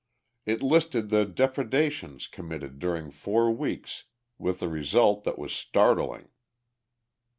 It listed the depredations committed during four weeks with a result that was startling.